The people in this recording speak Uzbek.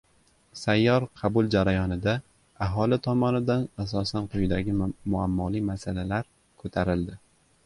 Sayyor qabul jarayonida aholi tomonidan asosan quyidagi muammoli masalalar koʻtarildi.